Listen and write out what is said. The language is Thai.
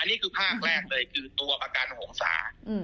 อันนี้ภาดแรกเลยคือตัวประกันหงศา